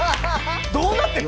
どうなってるの！？